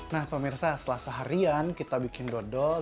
nah pak mirsa setelah seharian kita bikin dodol